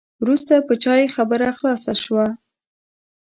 وروسته په چای خبره خلاصه شوه.